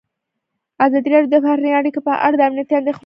ازادي راډیو د بهرنۍ اړیکې په اړه د امنیتي اندېښنو یادونه کړې.